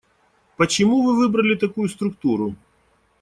Почему вы выбрали такую структуру?